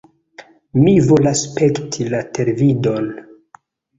Mi volas spekti la televidon!